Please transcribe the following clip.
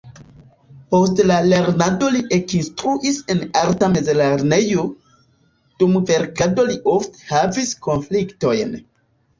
Post la lernado li ekinstruis en arta mezlernejo, dum verkado li ofte havis konfliktojn.